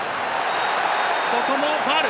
ここもファウル。